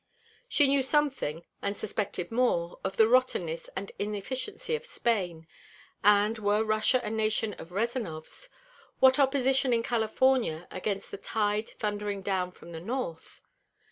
She knew something and suspected more of the rottenness and inefficiency of Spain, and, were Russia a nation of Rezanovs, what opposition in California against the tide thundering down from the north?